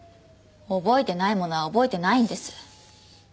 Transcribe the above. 覚えてないものは覚えてないんです。